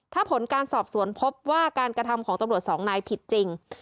ถ้าผลการสอบสวนพบว่าการกระทำของตำรวจสองนายผิดจริง